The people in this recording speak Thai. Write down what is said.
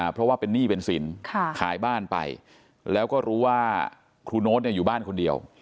เพราะว่าเป็นหนี้เป็นสินขายบ้านไปแล้วก็รู้ว่าครูโน๊ตอยู่บ้านคนเดียว